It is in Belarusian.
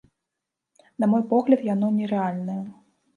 На мой погляд, яно не рэальнае.